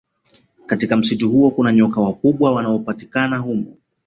Katika msitu huo kuna nyoka wakubwa wanaopatikaba humo